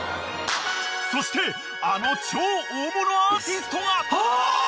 そしてあの超大物アーティストが。